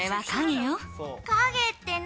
影って何？